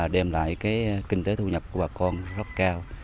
đem lại kinh tế thu nhập của bà con rất cao